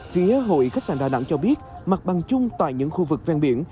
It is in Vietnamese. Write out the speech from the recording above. phía hội khách sạn đà nẵng cho biết mặt bằng chung tại những khu vực ven biển